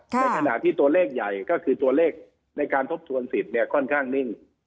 ในขณะที่ตัวเลขใหญ่ก็คือตัวเลขในการทบทวนสิทธิ์เนี่ยค่อนข้างนิ่ง